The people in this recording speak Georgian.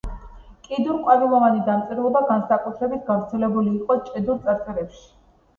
კიდურყვავილოვანი დამწერლობა განსაკუთრებით გავრცელებული იყო ჭედურ წარწერებში.